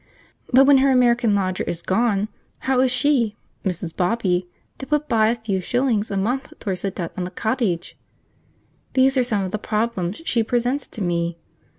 but when her American lodger is gone, how is she, Mrs. Bobby, to put by a few shillings a month towards the debt on the cottage? These are some of the problems she presents to me.